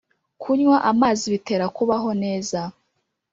kunywa amazi bitera kubaho neza